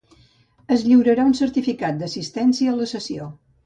Es lliurarà un certificat d'assistència a la sessió.